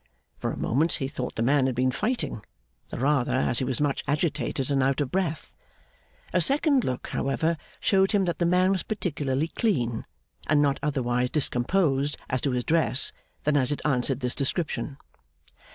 For a moment, he thought the man had been fighting: the rather, as he was much agitated and out of breath. A second look, however, showed him that the man was particularly clean, and not otherwise discomposed as to his dress than as it answered this description.